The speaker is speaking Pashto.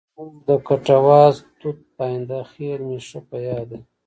زموږ د کټواز ټوټ پاینده خېل مې ښه په یاد دی.